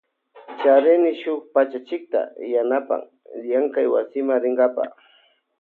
Charini shuk pachachikta yanapan llankay wasima rinkapa.